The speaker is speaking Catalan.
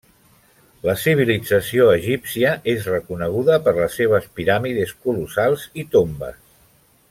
La civilització egípcia és reconeguda per les seves piràmides colossals i tombes.